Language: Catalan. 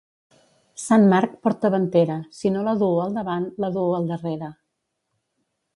Sant Marc porta ventera; si no la duu al davant, la duu al darrere.